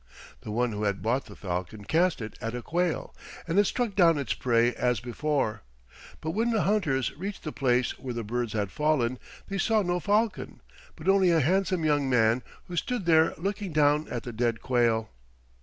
The one who had bought the falcon cast it at a quail, and it struck down its prey as before, but when the hunters reached the place where the birds had fallen they saw no falcon, but only a handsome young man who stood there looking down at the dead quail.